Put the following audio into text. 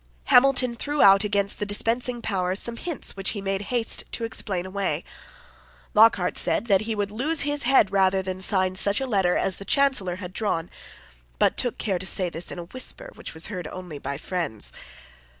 Hamilton threw out against the dispensing power some hints which he made haste to explain away. Lockhart said that he would lose his head rather than sign such a letter as the Chancellor had drawn, but took care to say this in a whisper which was heard only by friends.